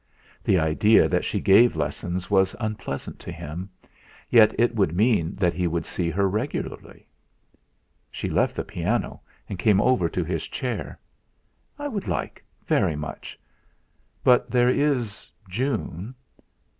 The idea that she gave lessons was unpleasant to him; yet it would mean that he would see her regularly. She left the piano and came over to his chair. "I would like, very much; but there is June.